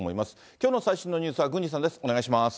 きょうの最新のニュースは郡司さんです。